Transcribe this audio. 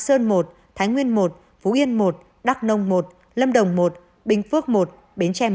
một hải dương một lạng sơn một thái nguyên một phú yên một đắk nông một lâm đồng một bình phước một bến tre một